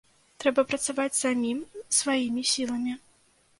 Трэба працаваць самім, сваімі сіламі.